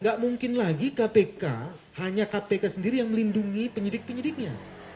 gak mungkin lagi kpk hanya kpk sendiri yang melindungi penyidik penyidiknya